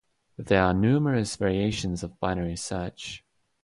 There are numerous variations of binary search.